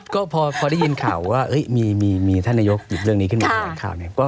ก็พอได้ยินข่าวว่ามีท่านนโยคหยิบเรื่องนี้ขึ้นมา